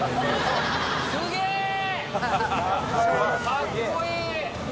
かっこいい。